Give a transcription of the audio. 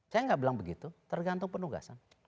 saya nggak bilang begitu tergantung penugasan